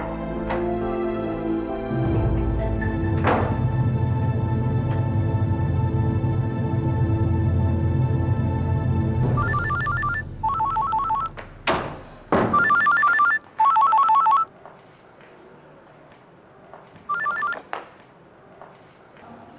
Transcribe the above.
assalamualaikum warahmatullahi wabarakatuh